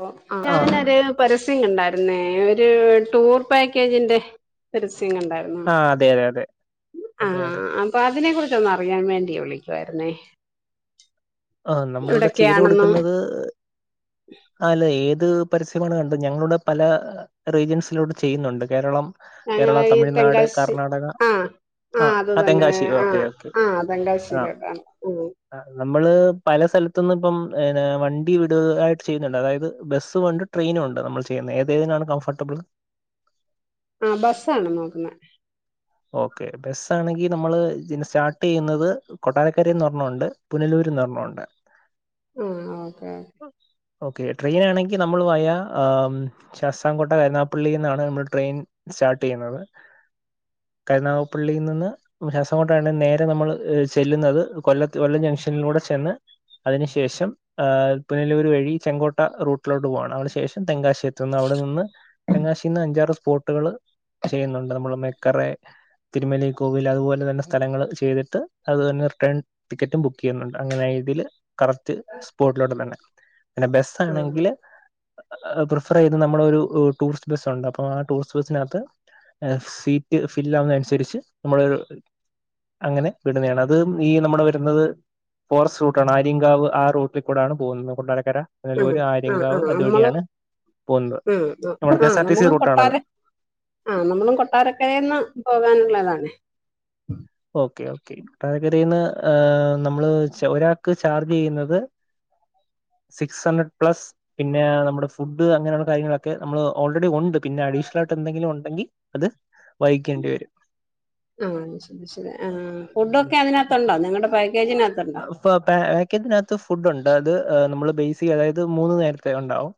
പ്പോ ആഹ് ഞാനരേ പരസ്യം കണ്ടായിരുന്നേ. ഒരു ടൂർ പാക്കേജിന്റെ പരസ്യം കണ്ടാരുന്നു ആഹ് അതെ അതെ അതെ അതെ ആഹ് അപ്പ അതിനെ കുറിച്ച് ഒന്ന് അറിയാൻ വേണ്ടിയാ വിളിക്കുവായിരുന്നേ ആഹ്. നമ്മളിവിടെ ചെയ്ത് എവിടൊക്കെയാണെന്നും കൊടുക്കുന്നത് ആല്ല ഏത് പരസ്യമാണ് കണ്ടത്. ഞങ്ങളുടെ പല റീജിയൻസിലോട്ട് ചെയ്യുന്നുണ്ട്. കേരളം ഞങ്ങള കേരള ഈ തമിഴ്നാട് തെങ്കാശി കർണാടക ആഹ് ആ ആഹ് അത് ആഹ് തന്നെ. തെങ്കാശി ഓക്കെ ആഹ് ഓക്കെ ആഹ് തെങ്കാശിലോട്ടാണ്. അ നമ്മള്.. പല സ്ഥലത്തുന്നും ഇപ്പം [unintelligible] വണ്ടി വിടു ആയിട്ട് ചെയ്യുന്നുണ്ട്. അതായത് ബസ് കൊണ്ട് ട്രെയിനുണ്ട് നമ്മൾ ചെയ്യുന്നെ. ഏതി ഏതിനാണ് കംഫർബിൾ ആ ബസ്സാണ് നോക്കുന്നെ ഓക്കെ... ബെസ്സാആണെങ്കി നമ്മള് സ്റ്റാർട്ട്യ്യുന്നത് കൊട്ടാരക്കരേന്ന് ഒരണ്ണവുണ്ട് പുനലൂര്ന്ന്ന്നൊരണ്ണവുണ്ട് ഉം.. ഓക്കെ ഓക്കെ ട്രെയിനാണെങ്കിൽ നമ്മൾ വയാ ആ ശാസ്‌താംകോട്ട കരുനാപ്പള്ളിൽന്നാണ് നമ്മള് ട്രെയിൻ സ്റ്റാർട്ടെയ്യുന്നത് കരുനാഗപ്പള്ളീ നിന്ന് ഉലാസ കൊട്ടേണ് നേരെ നമ്മള് ചെല്ലുന്നത് കൊല്ലത് കൊല്ലം ജംഗ്ഷനിലൂടെ ചെന്ന് അതിനു ശേഷം ഹ് പുനലൂർ വഴി ചെങ്കോട്ട റൂട്ടിലോട്ട് പോകണം അതിന് ശേഷം തെങ്കാശ എത്തുന്ന അവിടെ നിന്ന് തെങ്ങാശിന്ന് അഞ്ചാറ് സ്പോട്ടുകൾ ചെയ്യുന്നുണ്ട് നമ്മള്. മെക്കറെ തിരുമലൈ കോവിൽ അതുപോലെ തന്നെ സ്ഥലങ്ങൾ ചെയ്തിട്ട് അത് തന്നെ റിട്ടേൺ ടിക്കറ്റും ബുക്കെയ്യുന്നുണ്ട്. അങ്ങനായി തീല് കറക് സ്പോട്ടിലോട്ടത്തണ്ടെ. പിന്നെ ഓക്കെ ബെസ്സാണെങ്കില് പ്രിഫർ ചെയ്ത് നമ്മളൊരു ഉ ടൂറിസ്റ്റ് ബസ്സുണ്ട്. അപ്പൊ ആ ടൂറിസ്റ്റ് ബസ്സിനകത്ത് എ സീറ്റ് ഫില്ലാവുന്നെ അനുസരിച്ച് നമ്മളൊരു അങ്ങനെ വിടുന്നയാണ്. അത് ഈ നമ്മടെ വരുന്നത് ഫോറസ്റ്റ് റൂട്ടാണ്. ആര്യങ്കാവ് ആ റൂട്ടിൽ കൂടാണ് പോവുന്നത്. കൊട്ടാരക്കര പുനലൂര് ആ ആ ആ ആ ആര്യങ്കാവ് നമ്മള് അതുവഴിയാണ് പോവുന്നത്. നമ്മുടെ കെ ആ ആ എസ് ആർ ടി സി നമുക്ക് റൂട്ടാണത് കൊട്ടാര ആ നമ്മളും കൊട്ടാരക്കരേന്ന് പോകാനുള്ളതാണെ ഓക്കെ ഓക്കെ പകതിയിന്ന് നമ്മള് ഒരാൾക്ക് ചാർജ് ചെയ്യുന്നത് സിക്സ് ഹൺഡ്രഡ് പ്ലസ് പിന്നെ നമ്മുടെ ഫുഡ് അങ്ങനെയുള്ള കാര്യങ്ങളൊക്കെ നമ്മൾ ഓൾറെഡി ഉണ്ട് പിന്നെ അഡീഷണൽ ആയിട്ട് എന്തെങ്കിലും ഉണ്ടെങ്കിൽ അത് വായിക്കേണ്ടി വരും ആ ശരി ശരി ആ ഫുഡ് ഒക്കെ അതിനകത്തുണ്ടോ നിങ്ങളുടെ പാക്കേജിനകത്ത് അപ്പൊ പാക്കറ്റിനകത്ത് ഫുഡ്ുണ്ട് അത് നമ്മള് ബ അതായത് മൂന്ന നേരത്തെ ഉണ്ടാവും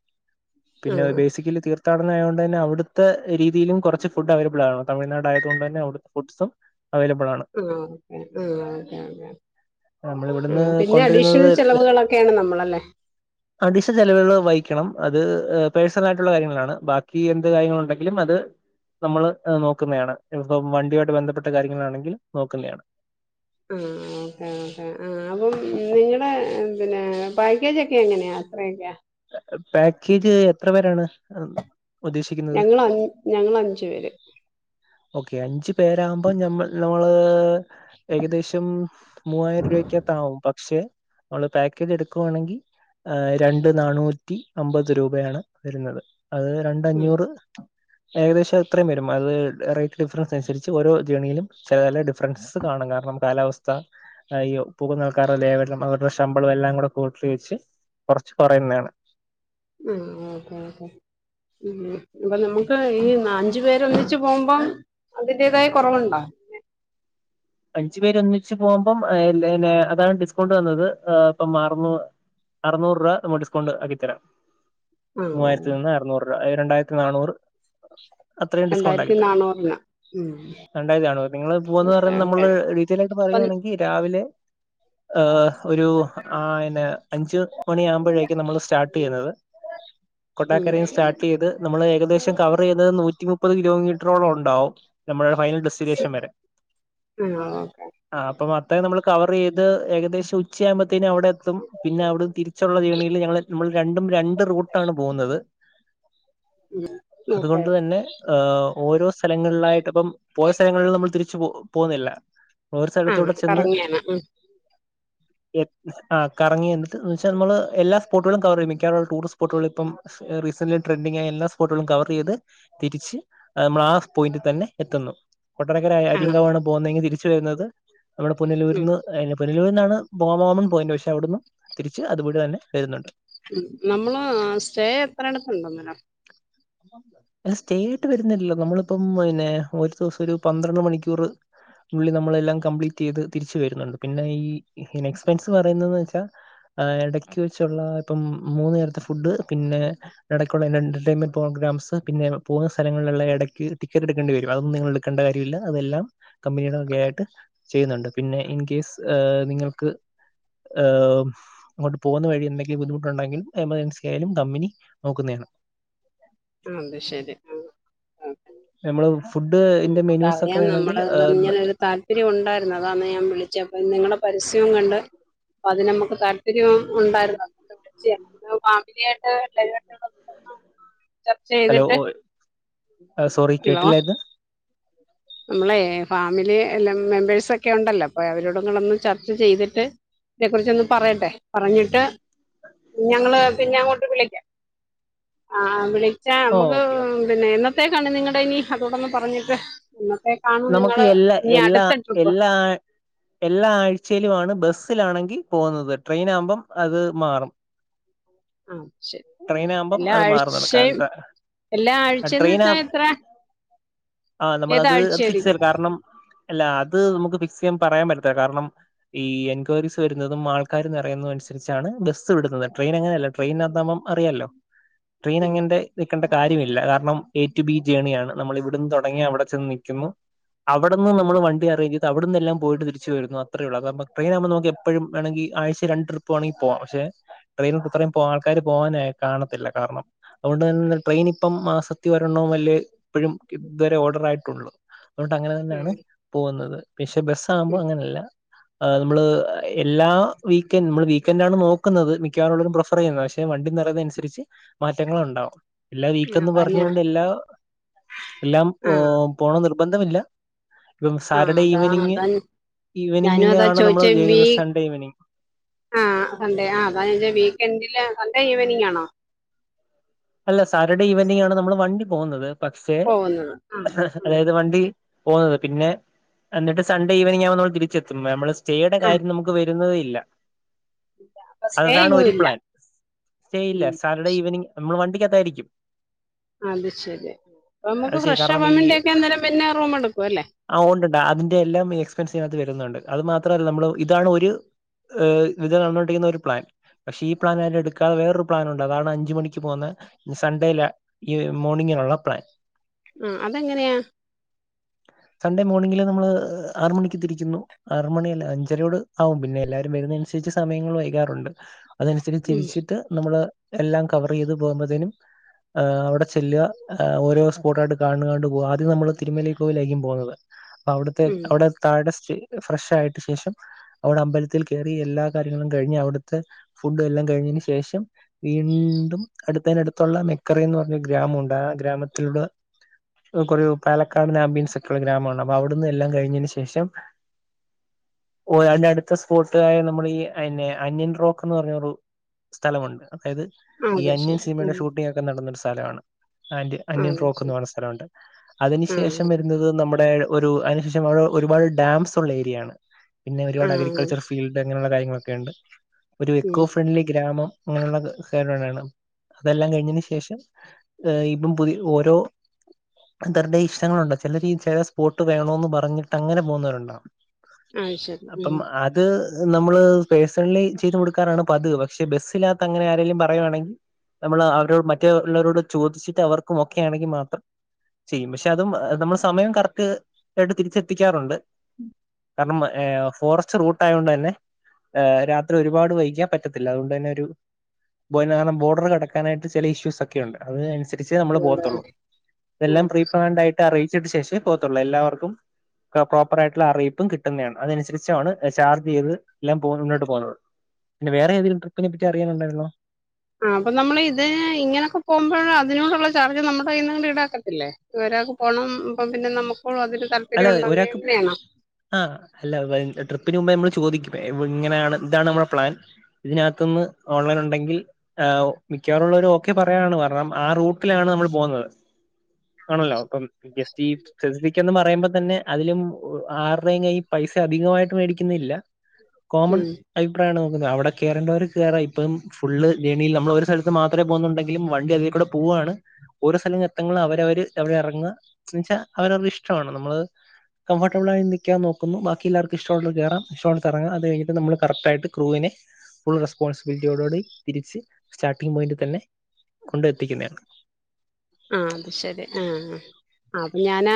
പിന്നെ ആഹ് ബേസിക്കല തീർ തർഥാടന ആതുകണ്ട് തന്നെ അവിടുത്തെ രീതിയിലും കുറച്ച് ഫുഡ് അവൈലബിളാണ് ആണോ തമിഴ്നാ ആയതുകൊണ്ട് തന്നെ അവിടുത്തെ ഫുഡ്സും അവൈലബിൾ ആണ് ആഓെ ഓ കെ ഓകെ നമ്മൾ ഇവിടുന്ന് ആ പിന്നെ കൊണ്ടുവരുന്നത് അഡീഷണൽ ചെലവുകളൊക്കെയാണ് നമ്മളല്ലേ അടിശ നൽ ചെലവുകൾ വഹിക്കണം അത് പേഴ്സണൽ ആയിട്ടുള്ള കാര്യങ്ങളാണ് ബാക്കി എന്ത് കാര്യങ്ങളുണ്ടെങ്കിലും അത് നമ്മൾ നോക്കുന്നതാണ് ഇപ്പൊ വണ്ടിയമായിട്ട് ബന്ധപ്പെട്ട കാര്യങ്ങളാണെങ്കിൽ നോക്കുന്നതാണ് ആ ഓക്കേ ഓ ആ അപ്പം നിങ്ങളുടെ പിന്നെ പാക്കേജ് ഒക്കെ എങ്ങനെയാ എത്രയൊക്കയാ പാക്കേജ് എത്ര പേരാണ് ഉദ്ദേശിക്കുന്നത് ഞങ്ങള് അഞ്ച് ഞങ്ങള് അഞ്ചു പേര് ഓക്കെ അഞ്ചു പേരാകുമ്പോ മ്മ നമ്മള് ഏകദേശം മൂവായിരം രൂപക്കകത്ത് ആവും പക്ഷെ നമ്മള് പാക്കേജ് എടുക്കുവാണെങ്കിൽ രണ്ട് രണ്ട് നാനൂറ്റി അമ്പത് രൂപയാണ് വരുന്നത് അത് ഉം രണ്ടഞ്ഞൂറ് ഏകദേശം അത്രയും വരും അത് ഡയറക്റ്റ് ഡിഫറൻസ് അനുസരിച്ച് ഓരോ ജേണിയിലും ചില ചില ഡിഫറൻസസ് കാണും കാരണം കാലാവസ്ഥ അയ്യൊ പോകുന്ന ആൾക്കാരുടെ [unintelligible] അവരുടെ ശമ്പളം എല്ലാം കൂടെ കൂട്ടി വെച്ച് കുറച്ച് പറയുന്നതാണ് ഉം ഓക്കെ ഓക്കെ ഉ അപ്പൊ നമുക്ക് ഈ നഞ്ചു പേര് ഒന്നിച്ച് പോകുമ്പം അതിന്റേതായ കുറവുണ്ടോ അഞ്ചു പേര് ഒന്നിച്ച് പോകുമ്പം അതാണ് ഡിസ്കൗണ്ട് വന്നത് അപ്പൊ മാറുന്നു അറനൂറ് രൂപ നമ്മ ഡിസ്കൗണ്ട് ആക്കി തരാം ആഹ് മൂവായിരത്തി നിന്ന് അറ്നൂറ് രൂപ രണ്ടായിരത്തി നാന്നൂറ് അത്രയും ഡിസ്കൗണ്ട് ആക്കി രണ്ടായിരത്തി തരാ നാന്നൂറിന് ഉം രണ്ട ആണ് നിങ്ങള് ഓക്കെ പോകുന്നത് ഓക്കെ നമ്മള് ഡീറ്റൈയിൽ ആയിട്ട് അപ്പം പറയുകയാണെങ്കിൽ രാവിലെ ഏഹ ഒരു ആ ഇന്നെ അഞ്ച് മണിയാകുമ്പോഴേക്കും നമ്മൾ സ്റ്റാർട്ട് ചെയ്യുന്നത് ഉം കൊട്ടാക്കരയും സ്റ്റാർട്ട് ചെയ്ത് നമ്മൾ ഏകദേശം കവർ ചെയ്യുന്നത് നൂറ്റി മുപ്പത് കിലോമീറ്ററോളം ഉണ്ടാവും നമ്മുടെ ഫൈനൽ ഡെസ്റ്റിനേഷൻ വരെ ആ ഓ ആ അപ്പൊ മൊത്തം നമ്മൾ കവർ ചെയ്ത് ഏകദേശം ഉച്ചയയാകുമ്പോഴത്തേനും അവിടെ ത്തും പിന്നെ അവിടെ തിരിച്ചുള്ള ജേണിയില് ഞങ്ങള് നമ്മൾ രണ്ടും രണ്ട് റൂട്ടാണ് പോകുന്നത് ഓക്കെ അതുകൊണ്ട് തന്നെ ഓരോ സ്ഥലങ്ങളിലായിട്ട് ഇപ്പം പോയ സ്ഥലങ്ങളും നമ്മൾ തിരിച്ചു പോ പോകുന്നില്ല ഓരു ആ സ്ഥലത്തൂടെ ചെന്ന് കറങ്ങിയാണ് ഉം ആ കറങ്ങിയിട്ട് എന്ന് വെച്ചാൽ നമ്മള് എല്ലാ സ്പോട്ടുകളും കവർ ചെയ്യും മിക്കവാറും അവിടെ ടൂറിസ്റ്റ് സ്പോട്ടുകൾ ഇപ്പം റീസന്റ്ലി ട്രൻഡിങ് ആയ എല്ലാ സ്പോട്ടുകളും കവർ ചെയ്ത് തിരിച്ച് നമ്മൾ ആ പോയിന്റ് തന്നെ എത്തുന്നു കൊട്ടാരക്കരായ ആ അരിങ്കമാണ് പോകുന്നതെങ്കിൽ തിരിച്ചു വരുന്നത് നമ്മുടെ ഉം പുനലൂരുന്ന് പുനലൂൽന്നാണ് പോ മോകമൻ പോയിന്റ് പക്ഷെ അവിടന്ന് തിരിച്ച് അതു വഴി തന്നെ വരുന്നുണ്ട് നമ്മള് സ്റ്റേ എത്രടത്ത് ണ്ടോന്നിനോ സ്റ്റേ ആയിട്ട്‌ വരുന്നില്ലല്ലോ നമ്മളിപ്പം പിന്നെ ഒരു ദിവസം ഒരു പന്ത്രണ്ട് മണിക്കൂർ ഉള്ളി നമ്മളെല്ലാം കംപ്ലീറ്റ് ചെയ്ത് തിരിച്ച് വരുന്നുണ്ട് പിന്നെ ഈ എക്സ്പെൻസ് പറയുന്നതെന്ന് വെച്ചാൽ ആ ഇടക്ക് വെച്ചുള്ള ഇപ്പം മൂന്ന് നേരത്തെ ഫുഡ് പിന്നെ ഇടയ്ക്കുള്ള എന്റെ എന്റർടൈൻമെന്റ് പ്രോഗ്രാംസ് പിന്നെ പോകുന്ന സ്ഥലങ്ങളിലുള്ള ഇടയ്ക്ക് ടിക്കറ്റ് എടുക്കേണ്ടി വരും അതൊന്നും നിങ്ങൾ എടുക്കേണ്ട കാര്യമില്ല അതെല്ലാം കമ്പനിയുടെ വക ആയിട്ട് ചെയ്യുന്നുണ്ട് പിന്നെ ഇൻ കേസ് നിങ്ങൾക്ക് ആഹ അങ്ങോട്ട് പോകുന്ന വഴി എന്തെങ്കി ബുദ്ധിമുട്ടുണ്ടെങ്കിൽ എമർജൻസി ആയാലും കമ്പനി നോക്കുന്നതാണ് ആ അതെ ശരി ആ ഓക്കെ നമ്മള് ഫുഡ് ഉം ആയിന്റെ മെനൂസ് ഒക്കെ വേണമെങ്കിൽ ഒത്തിരിം ഉണ്ടായിരുന്നു അതാന്ന് ഞാൻ വിളിച്ചത് അപ്പ നിങ്ങളെ പരസ്യവും കണ്ട് അപ്പൊ അതിന് നമുക്ക് താല്പര്യം ഉണ്ടായിരുന്നു ഫാമിലി ആയിട്ട് പിള്ളേരു ഹലോ ഒ സോറി ഹലോ കേട്ടില്ല ഇത് നമ്മളെ ഫാമിലി എല്ലാം മെമ്പേഴ്സൊക്കെ ഉണ്ടല്ലോ അപ്പൊ അവരോട് നിങ്ങൾഒന്ന് ചർച്ച ചെയ്തിട്ട് ഇതിനെ കുറിച്ചൊന്ന് പറയട്ടെ. പറഞ്ഞിട്ട് ഞങ്ങള് പിന്നെ അങ്ങോട്ട് വിളിക്കാം ആ വിളിച്ചാ ഓ നമുക്ക് ഓക്കെ ഓക്കെ പിന്നെ എന്നത്തേക്കാണ് നിങ്ങടെ ഇനി അതോടൊന്ന് പറഞ്ഞിട്ട് എന്നത്തേ നമുക്ക് എല്ലാ എല്ലാ എല്ലാ അ എല്ലാ ആഴ്ചയിലു ആണ് ബസ്സിലാണെങ്കി പോകുന്നത്. ട്രെയിനാകുമ്പം അത് മാറും [inaudible] ആഹ ശരി. അ ട്രെയിൻ ആകുമ്പം എല്ലാ അത് മാറുന്നുണ്ട് ആഴ്ച്ചയും, കാരണം എല്ലാ ആഴ്ച്ചെന്ന് വെച്ചാ എത്ര അ നമ്മളത് അത് ഫിക്സ് ഏതാഴ്ചയായിരിക്കും ചെയ്യും. കാരണം ഉം അല്ല അത് നമുക്ക് ഫിക്സ് ചെയ്യാൻ പറയാൻ പറ്റത്തില്ല. കാരണം ഈ എൻക്വയറീസ് വരുന്നതും ആൾക്കാരു നിറയുന്നതു അനുസരിച്ചാണ് ബസ്സ് വിടുന്നത്. ട്രെയിൻ അങ്ങനെയല്ല ട്രെയിനാത്താമ്പം അറിയാലോ, ട്രെയിൻ ഉം അങ്ങെന്റെ നിക്കണ്ട കാര്യല്ല. കാരണം എ ടു ബി ജേണിയ ആണ്. നമ്മൾ ഇവിടുന്ന് തൊടങ്ങി അവിടെ ചെന്ന് നിൽക്കുന്നു അവിടന്ന് ഉം നമ്മൾ വണ്ടി അറേഞ്ച് അവിടിന്നെല്ലാം പോയിട്ട് തിരിച്ച് വരുന്നു അത്രയുള്ളൂ [unintelligible] ട്രെയിനാകുമ്പ നമുക്കെപ്പോഴും വേണെങ്കി ആഴ്ച്ചെ രണ്ട് ട്രിപ്പ് വേണേൽ പോവാ. പക്ഷെ ട്രെയിനിൽ ഇത്രയും പോ ആൾക്കാര് പോകാനായി കാണത്തില്ല കാരണം അ ഒണ്ട് തന്നെ ട്രെയിൻ ഇപ്പം മാസത്തി ഒരെണ്ണം അല്ലേ, ഇപ്പോഴും ഇതുവരെ ഓർഡർ ആയിട്ടുള്ളൂ അങ്ങോട്ട് അങ്ങനെ തന്നെയാണ് ഉം പോകുന്നത്. പക്ഷേ ബസ് ആകുമ്പോ ഉം അങ്ങനെയല്ല ആ നമ്മള് അ എല്ലാ വീക്കെൻ നമ്മൾ വീക്കെൻഡാണ് നോക്കുന്നത്. മിക്കവാറുള്ളോരും പ്രഫർ ചെയ്യുന്നെ വണ്ടി തരം അനുസരിച്ച് മാറ്റങ്ങളൾ ഉണ്ടാവും എല്ലാ ഉം വീക്കന്ന് അതാ ഞാൻ പറഞ്ഞുകൊണ്ട് എല്ലാ, എല്ലാം പോ ആഹ് പോണം ന്ന് നിർബന്ധമില്ല ഇപ്പം ആഹ് സാറ്റർഡേ അതാ ഈവനിങ് അതാ ഞാനും അതാ ഈവനിങ്ങിനാണ് നമ്മൾ [unintelligible] സൺഡേ ഈവനിങ് ആ സൺഡേ ആ [unintelligible] വീക്കെൻഡില് സൺഡേ ഈവനിംഗ് ആണോ അല്ല സാറ്റർഡേ ഈവനിംഗ് ആണ് നമ്മൾ വണ്ടി പോകുന്നത്. പക്ഷെ പോകുന്നത് ആഹ് [unintelligible] ആഹ് അതായത് വണ്ടി പോകുന്നത് പിന്നെ എന്നിട്ട് സൺഡേ ഈവനിങ് ആവുമ്പം തിരിച്ചെത്തും നമ്മൾ സ ചെയ്യണ്ട ആഹ് കാര്യം നമുക്ക് വരുന്നതേ ഇല്ല അപ്പൊ സ്റ്റേ അതതാണ് എങ്ങും ഒരു ഇല്ല പ്ലാൻ. സ്റ്റേയില്ല ഉം സാറ്റർഡേ ശരി ഈവനിങ് നമ്മൾ വണ്ടിക്കത്തായിരിക്കും അത് ശരി. അത് നമുക്ക് ശരി ഫ്രഷ് കാരണം ആവാൻ ഈ വേണ്ടിയൊക്കെ അന്നേരം പിന്നെ റൂം എടുക്കുവല്ലേ ആ ഉണ്ടുണ്ട് അതിന്റെ എല്ലാം എക്സ്പെൻസ് ഇതിനാത്ത് വരുന്നുണ്ട്. അത് മാത്രല്ല നമ്മൾ ഇതാണ് ഒര് ഏ ഇത് നടന്നു കൊണ്ടിരിക്കുന്ന ഒരു പ്ലാൻ. പഷേ ഈ പ്ലാനടുക്കാ വേറൊരു പ്ലാനുണ്ട്. അതാണ് അഞ്ചുമണി പോന്ന സൺഡേയില. ഈ മോണിങ്ങിനുള്ള പ്ലാൻ ഉം അതെങ്ങനെയാ സൺഡേ മോണിംഗില് നമ്മള് ആറു മണിക്ക് തിരിക്കുന്നു ആറു മണിയല്ല അഞ്ചരയോട് ആവും. പിന്നെ എല്ലാരും വരുന്ന അനുസരിച്ച് സമയങ്ങള് വൈകാറുണ്ട് ഹ് അതനുസരിച്ച് ഉം തിരിച്ചിട്ട് നമ്മള് എല്ലാം കവർ ചെയ്ത് പോകുമ്പത്തേനും ഏ അവിടെ ചെല്ല ഓരോ സ്പോട്ടായിട്ട് കാണുകാണ്ട് പോകുക ആദ്യം നമ്മള് തിരുമല്ലിക്കോവിലായിരിക്കും പോകുന്നത് അവിടുത്തെ ഉം അവിടെ താഴെ ഫ്രഷ് ആയിട്ട് ശേഷം അവിടെ അമ്പലത്തിൽ കയറി. എല്ലാ കാര്യങ്ങളും കഴിഞ്ഞ് അവിടുത്തെ ഫുഡും എല്ലാം കഴിഞ്ഞയിന് ശേഷം വീണ്ടും അടുത്തൈനടുത്തുള്ള മെക്കറെയ് എന്ന് പറഞ്ഞൊരു ഗ്രാമുണ്ട്. ആ ഗ്രാമത്തിലൂടെ [unintelligible] പാലക്കാട്ന് ആംബിയൻസ് ഒക്കെയുള്ള ഗ്രാമാണ്. അപ്പ അവിടുന്ന് എല്ലാം കഴിഞ്ഞയിന് ശേഷം ഓ അതിന്റെ അടുത്ത സ്പോട്ട് അ നമ്മൾ ഈ അന്യ അന്യൻ റോക്ക് എന്ന് പറഞ്ഞ ഒരു സ്ഥലമുണ്ട്. അതായത് ആ ഈ അത് അന്യൻ ശരി സിനിമയുടെ ഉം ഷൂട്ടിങ് ഒക്കെ നടന്നൊരു സ്ഥലാണ് ആൻഡ് ആ അന്യൻ അത് ഫ്രോക്ക് എന്ന് ശരി പറയുന്ന സ്ഥലുണ്ട്. അതിന് ആ ശേഷം അത് വരുന്നത് നമ്മുടെ ഒരു അതിന്ശേഷം അവ്ടെ ഒരുപാട് ഡാംസുള്ള ഏരിയാണ് പിന്നെ ആ ഒരുപാട് ആ, അഗ്രികള്ച്ചർ ഫീൽസ് അങ്ങന്ള്ള കാര്യങ്ങളൊക്കെണ്ട് ഒര് എക്കോ ഉം ഫ്രൺണ്ട്ലി ഗ്രാമം. ഇങ്ങനെള്ള സാലൂണാണ് അതെല്ലാം കഴിഞ്ഞയിന് ശേഷം ഹ് ഏ ഇപ്പം പുതിയ ഓരോ [unintelligible] ഇഷ്ടങ്ങളുണ്ട്. ചെലരീ ചെല സ്പോട്ട് വേണോന്ന് പറഞ്ഞിട്ട് അങ്ങനെ പോകുന്നവരുണ്ടാവു അത് ശരി ഉം അപ്പം ആ ഇത് നമ്മള് പേഴ്സണലി ചെയ്ത് കൊടുക്കാറാണ് പതിവ്. പക്ഷെ ബസ്സിനകത്തു അങ്ങനെ ആരേലും പറയുകയാണെ നമ്മള് അവരോട് മറ്റേ ഉള്ളവരോട് ചോദിച്ചിട്ട് അവർക്കും ഓക്കെ ആണെങ്കിൽ മാത്രം ചെയ്യും. പഷേ അതും നമ്മൾ സമയം കറക്റ്റ് [unintelligible] തിരിച്ചെത്തിക്കാറുണ്ട് കാരണം ഉം ഏ ഫോറസ്റ്റ് റൂട്ട് ആയൊണ്ടന്നെ ആഹ് രാത്രി ഒരുപാട് വൈക്യാ പറ്റത്തില്ല. അതുകൊണ്ടന്നെ ഒരു ബോയ് [unintelligible] ബോഡർ കടക്കാനായ്ട്ട് ചെല ഇഷ്യൂസൊക്കെ ഉണ്ട്. അത് അനുസരിച്ചെ നമ്മള് ഉം, പോവത്തുള്ളു ഇതെല്ലാം ഉം. പ്രീപ്രാൻഡായിട്ട് അറിയിച്ചിട്ട് ശേഷെ പോവത്തുള്ളു. എല്ലാവർക്കും. പ്രോപ്പറായിട്ട്ള്ള അറീപ്പും കിട്ടുനാണ് അത് അനുസരിച്ചു ആണ് ചാർജീത് എല്ലാം പോ മുന്നോട്ട് പോവുന്നത്. പിന്നെ വേറെ ഏതെങ്കിലും ട്രിപ്പിനെപ്പറ്റി അറിയുന്നുണ്ടായിരുന്നോ ആഹ് അപ്പൊ നമ്മളെ ഇത് ഇങ്ങനൊക്കെ പോവുമ്പള് അതിനോട്ള്ള ചാർജ് നമ്മ്ടെ കയ്യിന്ന്ണ്ട് ഈടാക്കത്തില്ലെ? ഒരാക്ക് പോണം. അപ്പൊ പിന്നെ നമ്മക്ക് അതില് ത അല്ലത് ഒരാക്ക് ആഹ് അല്ല. ട്രിപ്പിന് മുമ്പെ മ്മള് ചോദിക്കും. ഇങ്ങനേണ് ഇതാണ് ഞമ്മളെ പ്ലാൻ ഇതിനകത്ത്ന്ന് ഓൺലൈനുണ്ടെങ്കിൽ ആഹ് മിക്കവാറുള്ളോരും ഓക്കെ പറയാണ് കാരണം. ആഹ് റൂട്ടിലാണ് ഞമ്മള് പോവുന്നത് ആണല്ലൊ. അപ്പം എസ്ജീ ചെസ്ബിക്കൊന്നും വേ മ്പതന്നെ അതിലും. ആര്ടെയും കയ്യി പൈസ അധികായിട്ട് വേടിക്ക്ന്നില്ല കോമൺ ഉം അഭിപ്രായാണ് നോക്ക്ന്നെ. അവടെ കേറണ്ടവർ കേറ. ഇപ്പം ഫുള്ള് ജേണീൽ ഞമ്മളൊരു സൈട്ത്തെ മാത്രെ പോകുന്നുണ്ടെങ്കിലും വണ്ടി അതി കൂടെ പോവാണ്. ഓരൊ സ്ഥലങ്ങത്തങ്ങള് അവരവര് എവടെ എറങ്ങ. ന്ന് വെച്ചാ അവരവര്ടെഷ് ഷ്ടാണ്. നമ്മള് കംഫർട്ടബ്ളായി നിക്കാൻ നോക്കുന്നു. ബാക്കി എല്ലാർക്കും ഇഷ്ടുള്ളത് കേറ ഇഷ്ട്ടുള്ള എറങ്ങ അതെ. ഇത് നമ്മള് കറക്ട്ടായിട് ക്രൂവിനെ ഫുൾ റെസ്പോൺസ്ബിലിറ്റിയോടു കൂടി തിരിച്ച് സ്റ്റാർട്ടിങ് പോയിന്റി തന്നെ കൊണ്ടെത്തിക്കുന്നേണ് ആഹ് അത് ശരി ആഹ് ആഹ് അപ്പൊ ഞാനാ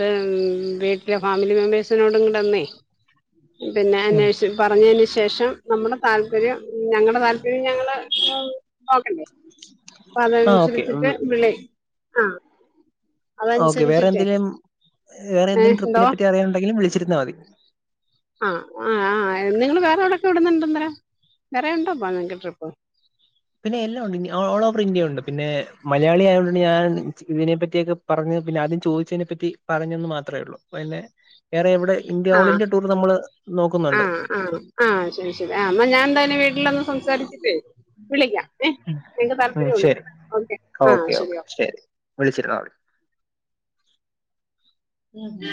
ത് ഉം വീട്ട്ലെ ഫാമിലി മെമ്പേഴ്സിനോട് കൂടൊനേയ് പിന്നെ അന്വേഷിച്ച് പറഞ്ഞീന് ശേഷം. നമ്മ്ടെ താല്പര്യം ഞങ്ങടെ താല്പര്യം ഞങ്ങള് പോകണ്ടെ ആ ഓക്കെ ഇപ്പതനുസരിച്ചിട്ട് വിളി ആഹ് ഓക്കെ. വേറെ എന്തിലേം. വേറെ ഏ എന്തിലെം എന്തോ ട്രിപ്പിനെ പറ്റി അറിയാനുണ്ടെങ്കി വിളിച്ചിരുന്നാ മതി ആഹ് ആഹ് ആഹ് നിങ്ങള് വേറെ എവ്ടൊക്കെ വിടുന്ന്ണ്ട്ന്നരെ വേറെ ഉണ്ടൊ നിങ്ങക്ക് ട്രിപ്പ് പിന്നെ എല്ലാ ഉണ്ട് ഓൾ ഓവർ ഇന്ത്യ ഉണ്ട്. പിന്നെ മലയാളി ആയോണ്ട് ഞാൻ ഇതിനെ പറ്റിയൊക്കെ പറഞ്ഞ്. പിന്നെ ആദ്യം ചോദിച്ചതിനെപ്പറ്റി പറഞ്ഞന്ന് മാത്രെ ഉള്ളു. പിന്നെ വേറെ എവ്ടെ ഇന്ത്യ ഓൾ ഇന്ത്യ ടൂർ നമ്മള് നോക്കുന്നുണ്ട് ആഹ് ആഹ് ശരി ശരി ആഹ് ന്നാ ഞാന്തായാലും വീട്ടിലൊന്ന് സംസാരിച്ച്ട്ടെ വിളിക്കാം. ഏഹ് ഞങ്ങക്ക് താല്പര്യണ്ട് ശരി കെട്ടൊ. ഓക്കെ ആഹ് ശരി ഓക്കെ വിള്ച്ച്ട് ആഹ് ഒരു ഉം